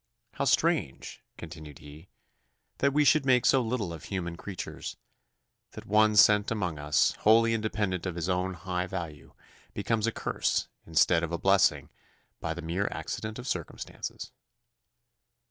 How strange!" continued he, "that we should make so little of human creatures, that one sent among us, wholly independent of his own high value, becomes a curse instead of a blessing by the mere accident of circumstances."